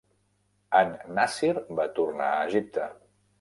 An-Nàssir va tornar a Egipte.